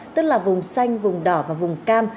tức là vùng xanh vùng đỏ và vùng cam